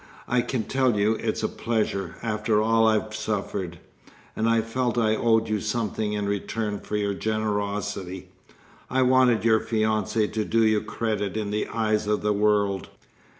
I can tell you it's a pleasure, after all I've suffered! and I felt I owed you something in return for your generosity. I wanted your fiancée to do you credit in the eyes of the world."